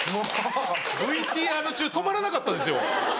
ＶＴＲ中止まらなかったですよ。